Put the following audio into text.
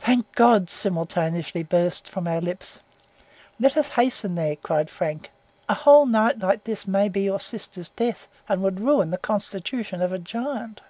"Thank God!" simultaneously burst from our lips. "Let us hasten there," cried Frank, "a whole night like this may be your sister's death and would ruin the constitution of a giant."